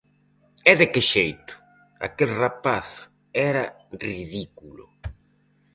E de que xeito! Aquel rapaz era ridículo.